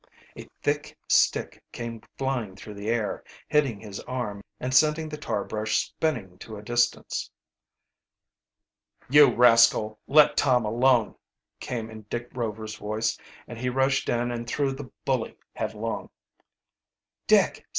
A thick stick came flying through the air, hitting his arm and sending the tar brush spinning to a distance. "You rascal, let Tom alone!" came in Dick Rover's voice, and he rushed in and threw the bully headlong. "Dick!